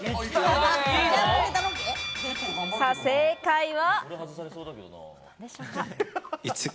正解は。